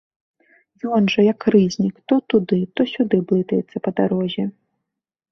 Ён жа, як рызнік, то туды, то сюды блытаецца па дарозе.